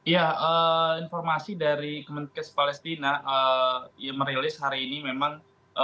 ya informasi dari kementerian kesehatan palestina yang merilis hari ini memang